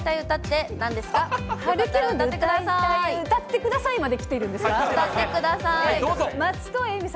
歌ってください。